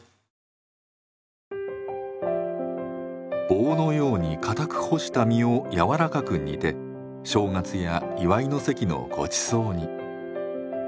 棒のようにかたく干した身を柔らかく煮て正月や祝いの席のごちそうに。